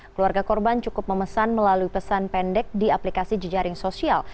keluarga korban cukup memesan melalui pesan pendek di aplikasi jejaring sosial